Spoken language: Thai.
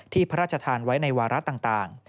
พระราชทานไว้ในวาระต่าง